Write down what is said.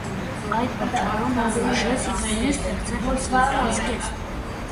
Այդ պատճառով նա որոշել է ինքնուրույն ստեղծել հարսանեկան զգեստ։